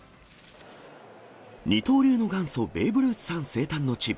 二刀流の元祖、ベーブ・ルースさん生誕の地。